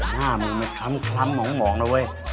หน้ามึงไม่คล้ำหมองนะเว้ย